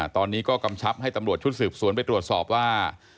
ตอนนี้ก็กำชับให้ตำรวจชุดสืบสวนไปตรวจสอบว่า